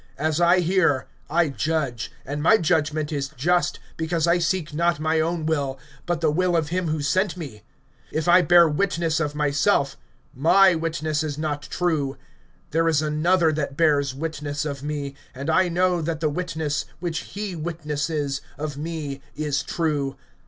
As I hear, I judge; and my judgment is just; because I seek not my own will, but the will of him who sent me. (31)If I bear witness of myself, my witness is not true. (32)There is another that bears witness of me; and I know that the witness which he witnesses of me is true.